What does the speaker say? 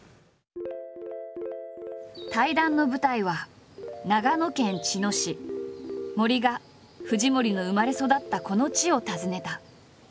対談の舞台は森が藤森の生まれ育ったこの地を訪ねた。